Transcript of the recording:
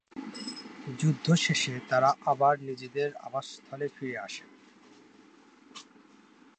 যুদ্ধ শেষে তারা আবার নিজেদের আবাসস্থলে ফিরে আসেন।